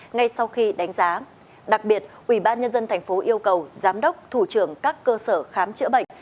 ngay sau khi đánh giá đặc biệt ubnd tp yêu cầu giám đốc thủ trưởng các cơ sở khám chữa bệnh